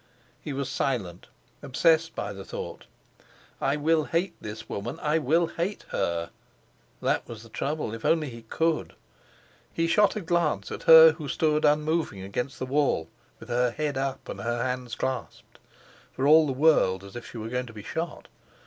He was silent, obsessed by the thought: "I will hate this woman. I will hate her." That was the trouble! If only he could! He shot a glance at her who stood unmoving against the wall with her head up and her hands clasped, for all the world as if she were going to be shot.